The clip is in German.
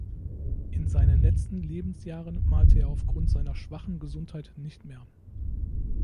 In seinen letzten Lebensjahren malte er aufgrund seiner schwachen Gesundheit nicht mehr.